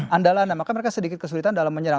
andalan makanya mereka sedikit kesulitan dalam menyerang